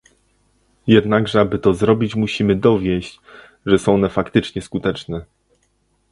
Jednakże aby to zrobić musimy dowieść, że są one faktycznie skuteczne